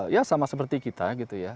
ya sama seperti kita gitu ya